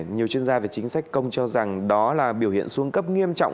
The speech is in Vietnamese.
nhiều chuyên gia về chính sách công cho rằng đó là biểu hiện xuống cấp nghiêm trọng